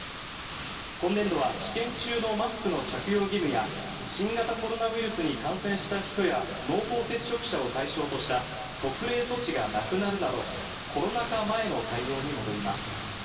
今年度は試験中のマスクの着用義務や新型コロナウイルスに感染した人や濃厚接触者を対象とした特例措置がなくなるなどコロナ禍前の対応に戻ります。